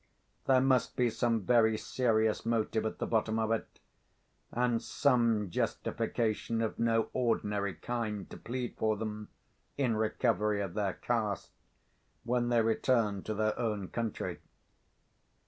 There must be some very serious motive at the bottom of it, and some justification of no ordinary kind to plead for them, in recovery of their caste, when they return to their own country."